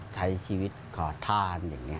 ใช้ชีวิตขอทานอย่างนี้